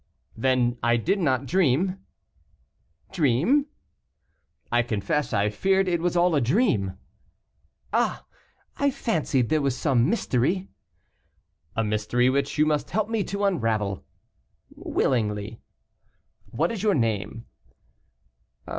"Then I did not dream?" "Dream?" "I confess I feared it was all a dream." "Ah! I fancied there was some mystery." "A mystery which you must help me to unravel." "Willingly." "What is your name?"